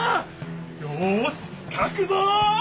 よしかくぞ！